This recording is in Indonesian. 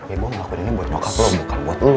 ya gue ngelakuin ini buat nolak lo bukan buat lo